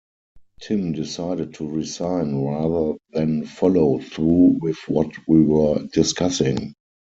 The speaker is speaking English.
Tim decided to resign rather than follow through with what we were discussing.